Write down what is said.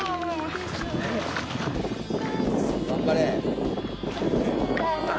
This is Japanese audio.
頑張れ！